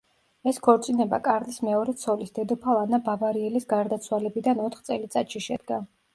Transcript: ეს ქორწინება კარლის მეორე ცოლის, დედოფალ ანა ბავარიელის გარდაცვალებიდან ოთხ წელიწადში შედგა.